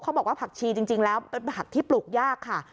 เขาบอกว่าผักชีจริงแล้วเป็นผักที่ปลูกยากค่ะ